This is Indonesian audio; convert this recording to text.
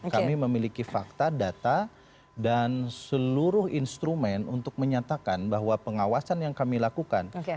kami memiliki fakta data dan seluruh instrumen untuk menyatakan bahwa pengawasan yang kami lakukan